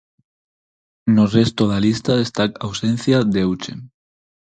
No resto da lista destaca a ausencia de Uche.